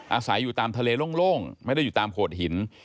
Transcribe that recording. อาศัยอยู่ตามทะเลโล่งไม่ได้อยู่ตามโขดหิน